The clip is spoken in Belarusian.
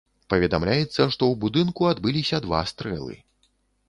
Паведамляецца, што ў будынку адбыліся два стрэлы.